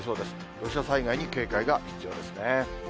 土砂災害に警戒が必要ですね。